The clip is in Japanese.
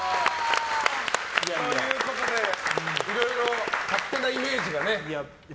ということでいろいろ勝手なイメージがね。